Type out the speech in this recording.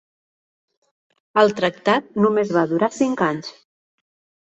El tractat només va durar cinc anys.